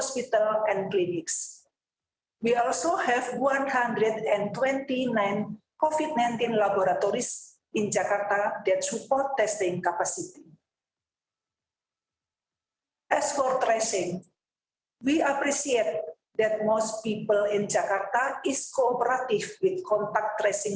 kita menghargai bahwa kebanyakan orang di jakarta berkooperasi dengan proses tracing kontak